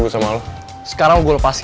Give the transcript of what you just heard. baru sekarang dia mau pergi